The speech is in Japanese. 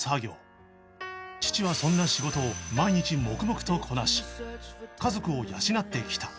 父はそんな仕事を毎日黙々とこなし家族を養ってきた